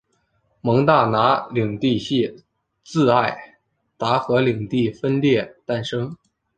蒙大拿领地系自爱达荷领地分裂诞生。